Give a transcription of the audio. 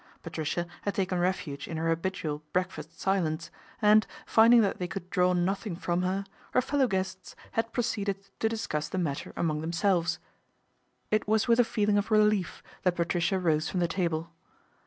Patricia had taken refug in her habitual breakfast silence and, finding that they could draw nothing from her her fellow guests had proceeded to discuss the matter among r6 PATRICIA BRENT, SPINSTER themselves. It was with a feeling of relief that Patricia rose from the table.